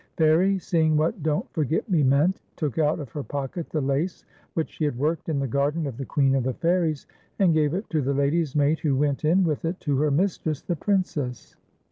Fairie, seeing what Don't Forgct Me meant, toolv out of her pocket the lace which she had worked in the garden of the Queen of the Fairies, and gave it to the lady's maid, who went in with it to her mistress the Princess.